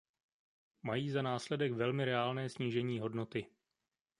Mají za následek velmi reálné snížení hodnoty.